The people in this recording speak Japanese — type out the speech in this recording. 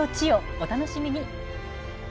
お楽しみに！